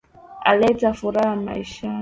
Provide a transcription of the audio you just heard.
Aleta furaha maishani.